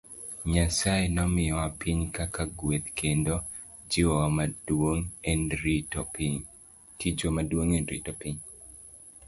Nyasaye nomiyowa piny kaka gweth, kendo tijwa maduong' en rito piny.